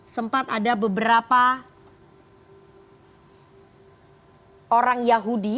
sempat ada beberapa orang yahudi